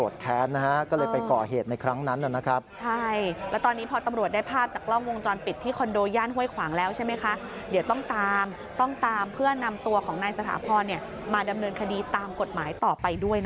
เดี๋ยวต้องตามเพื่อนำตัวของนายสถาพรมาดำเนินคดีตามกฎหมายต่อไปด้วย